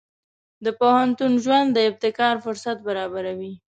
د پوهنتون ژوند د ابتکار فرصت برابروي.